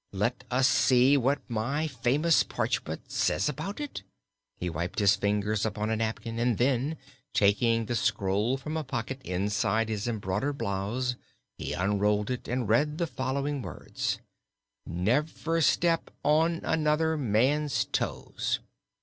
Let us see what my famous parchment says about it." He wiped his fingers upon a napkin and then, taking the scroll from a pocket inside his embroidered blouse, he unrolled it and read the following words: 'Never step on another man's toes.'